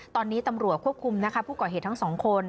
ตอนนี้ตำรวจควบคุมนะคะผู้ก่อเหตุทั้งสองคน